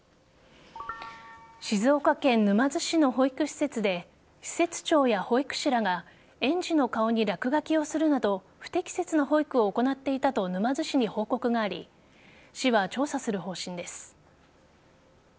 静岡県沼津市の保育施設で施設長や保育士らが園児の顔に落書きをするなど不適切な保育を行っていたと沼津市に報告があり市は調査する方針です。